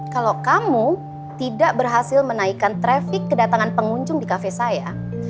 kalau kamu tidak berhasil menaikkan traffic kedatangan pengunjung di kafe saya